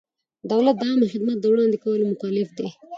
دولت د عامه خدمت د وړاندې کولو مکلف دی.